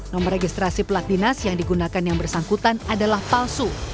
nomor registrasi pelat dinas yang digunakan yang bersangkutan adalah palsu